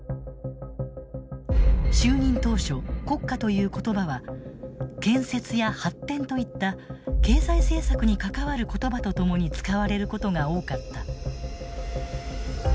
就任当初「国家」という言葉は「建設」や「発展」といった経済政策に関わる言葉と共に使われることが多かった。